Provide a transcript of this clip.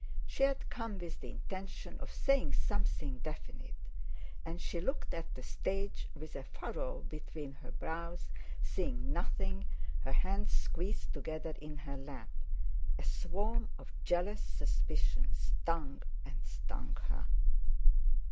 She had come with the intention of saying something definite; and she looked at the stage with a furrow between her brows, seeing nothing, her hands squeezed together in her lap. A swarm of jealous suspicions stung and stung her.